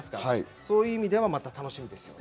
そういう意味でも楽しみですね。